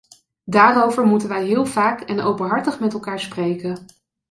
Daarover moeten wij heel vaak en openhartig met elkaar spreken.